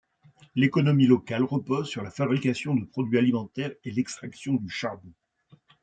L'économie locale repose sur la fabrication de produits alimentaires et l'extraction du charbon.